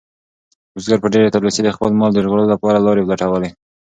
بزګر په ډېرې تلوسې د خپل مال د ژغورلو لپاره لارې لټولې.